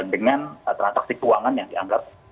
dengan transaksi keuangan yang dianggap